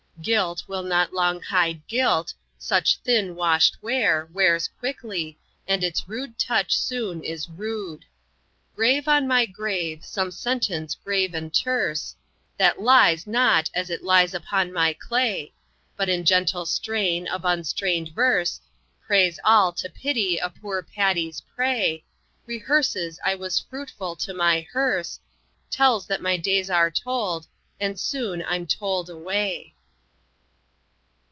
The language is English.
Gilt will not long hide guilt, such thin washed ware Wears quickly, and its rude touch soon is rued. Grave on my grave some sentence grave and terse, That lies not as it lies upon my clay, But in a gentle strain of unstrained verse, Prays all to pity a poor patty's prey, Rehearses I was fruitful to my hearse, Tells that my days are told, and soon I'm toll'd away."